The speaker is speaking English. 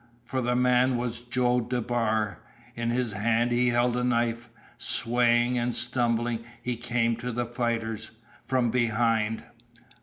For the man was Joe DeBar! In his hand he held a knife. Swaying and stumbling he came to the fighters from behind.